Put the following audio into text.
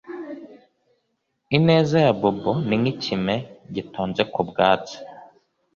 ineza ya bobo ni nk’ikime gitonze ku bwatsi